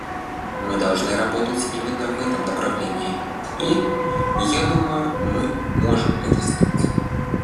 Мы должны работать именно в этом направлении, и, я думаю, мы можем это сделать.